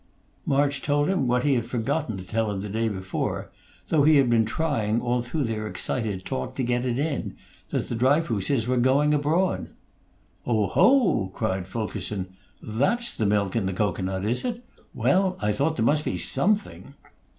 March told him what he had forgotten to tell him the day before, though he had been trying, all through their excited talk, to get it in, that the Dryfooses were going abroad. "Oh, ho!" cried Fulkerson. "That's the milk in the cocoanut, is it? Well, I thought there must be something."